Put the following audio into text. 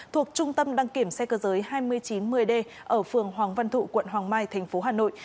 thuộc trung tâm đăng kiểm xe cơ giới hai nghìn chín trăm một mươi d ở phường hoàng văn thụ quận hoàng mai tp hà nội